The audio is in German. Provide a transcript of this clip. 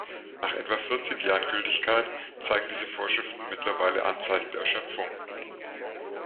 Nach etwa vierzig Jahren Gültigkeit zeigen diese Vorschriften mittlerweile Anzeichen der Erschöpfung.